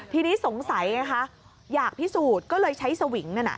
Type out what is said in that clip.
ทีนี้สงสัยไงคะอยากพิสูจน์ก็เลยใช้สวิงนั่นน่ะ